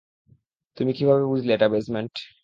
তুমি কিভাবে বুঝলে এটা বেসমেন্ট?